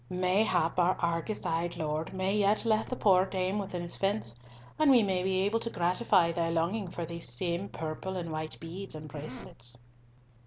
Mayhap, our Argus eyed lord may yet let the poor dame within his fence, and we may be able to gratify thy longing for those same purple and white beads and bracelets."